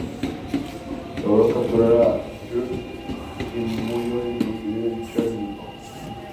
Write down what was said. Logró capturar a Riúrik, quien murió en cautiverio en Chernígov.